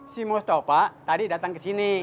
si mustafa tadi datang kesini